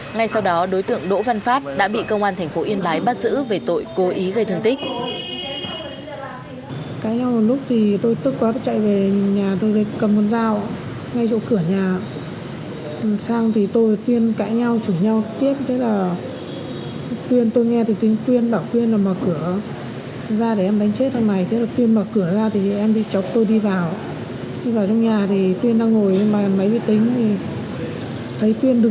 ngay sau đó đối tượng đỗ văn phát đã bị công an thành phố yên bái bắt giữ về tội cố ý gây thương tích